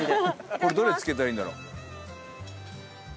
これどれつけたらいいんだろう？